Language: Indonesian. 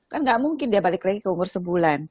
kan nggak mungkin dia balik lagi ke umur sebulan